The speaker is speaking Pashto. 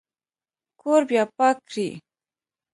کور بیا پاک کړئ